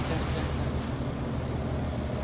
สวัสดีครับคุณผู้ชาย